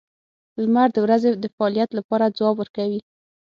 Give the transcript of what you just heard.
• لمر د ورځې د فعالیت لپاره ځواب ورکوي.